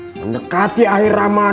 mendekati akhir ramadhan